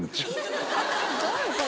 森川）どういうこと？